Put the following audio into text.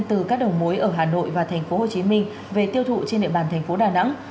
từ các đồng mối ở hà nội và tp hồ chí minh về tiêu thụ trên địa bàn tp đà nẵng